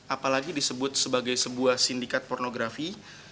apalagi disebut sebagai sebuah sindikat pornografi